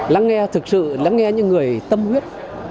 lắng nghe thực sự lắng nghe những người tâm huyết